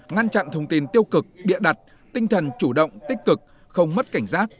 ngăn chặn thông tin tiêu cực bịa đặt tinh thần chủ động tích cực không mất cảnh giác